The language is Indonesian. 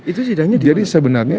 itu sidangnya di mana jadi sebenarnya